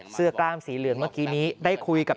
กล้ามสีเหลืองเมื่อกี้นี้ได้คุยกับ